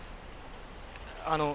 あの。